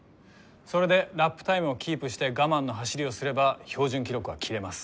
それでラップタイムをキープして我慢の走りをすれば標準記録は切れます。